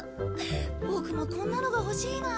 ボクもこんなのが欲しいなあ。